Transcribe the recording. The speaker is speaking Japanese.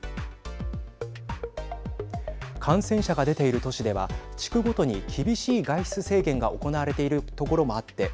感染者が出ている都市では地区ごとに厳しい外出制限が行われている所もあって